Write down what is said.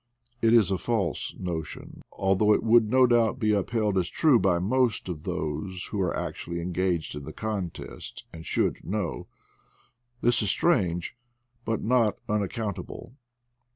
It is a false notion, although it would no doubt be upheld as true by most of those who are actually engaged in the contest, and should know. This is strange, but not unaccountable.